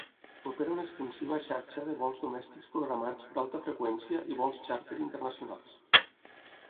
Opera una extensiva xarxa de vols domèstics programats d'alta freqüència i vols xàrter internacionals.